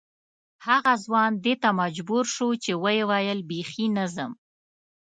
هغه ځوان دې ته مجبور شو چې ویې ویل بې خي نه ځم.